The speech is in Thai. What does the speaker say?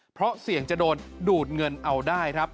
เพราะเสี่ยงจะโดนดูดเงินเอาได้ครับ